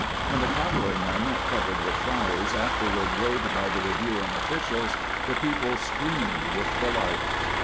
When the cavalryman, covered with flowers, afterward rode by the reviewing officials, the people screamed with delight.